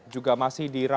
juga masih dirawat jalan